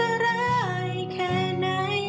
ไม่เคย